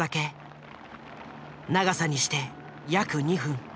長さにして約２分。